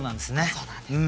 そうなんです。